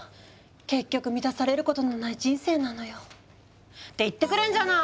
結局満たされることのない人生なのよ。って言ってくれんじゃない！